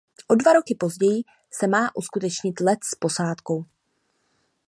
O dva roky později se má uskutečnit let s posádkou.